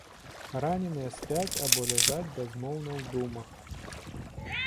Раненыя спяць або ляжаць бязмоўна ў думах.